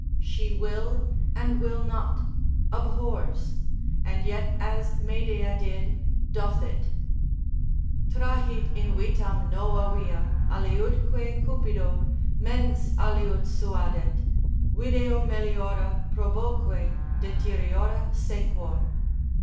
She will and will not, abhors: and yet as Medea did, doth it, ———Trahit invitam nova via, aliudque cupido, Mens aliud suadet; video meliora, proboque, Deteriora sequor.